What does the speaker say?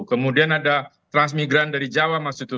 kemudian ada transmigran dari jawa masuk situ